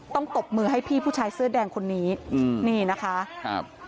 ต้องตบมือให้พี่ผู้ชายเสื้อแดงคนนี้นี่นะคะ